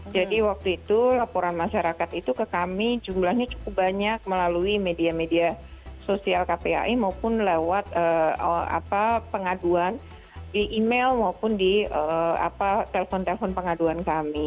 jadi waktu itu laporan masyarakat itu ke kami jumlahnya cukup banyak melalui media media sosial kpai maupun lewat pengaduan di email maupun di telepon telepon pengaduan kami